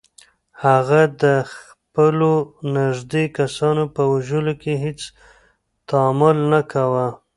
هغه د خپلو نږدې کسانو په وژلو کې هیڅ تامل نه کاوه.